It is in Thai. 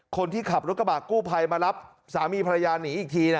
คนที่ขับรถกระบะกู้ภัยมารับสามีภรรยาหนีอีกที